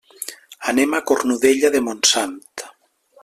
Anem a Cornudella de Montsant.